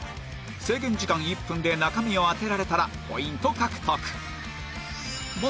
制限時間１分で中身を当てられたらポイント獲得